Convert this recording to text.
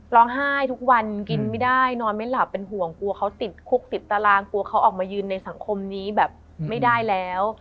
จะลางกลัวเขาออกมายืนในสังคมนี้แบบไม่ได้แล้ว